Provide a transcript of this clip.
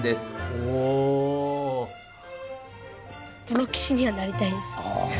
プロ棋士にはなりたいです。